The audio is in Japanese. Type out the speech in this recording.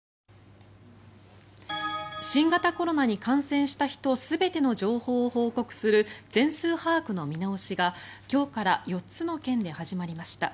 新型コロナに感染した人全ての情報を報告する全数把握の見直しが今日から４つの県で始まりました。